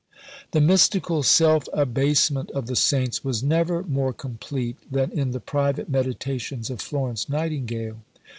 The mystical self abasement of the Saints was never more complete than in the private meditations of Florence Nightingale.